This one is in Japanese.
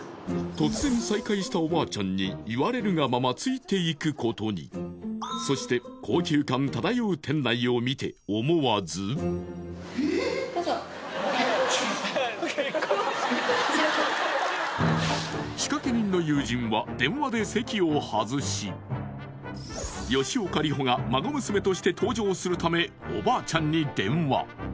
突然再会したお婆ちゃんに言われるがままついていくことにそして高級感漂う店内を見て思わず・どうぞ仕掛人の友人は電話で席を外し吉岡里帆が孫娘として登場するためお婆ちゃんに電話